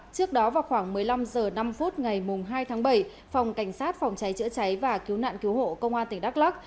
trước đó vào khoảng một mươi năm h năm ngày hai tháng bảy phòng cảnh sát phòng cháy chữa cháy và cứu nạn cứu hộ công an tỉnh đắk lắc